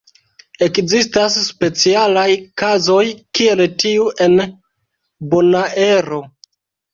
Ekzistas specialaj kazoj kiel tiu en Bonaero.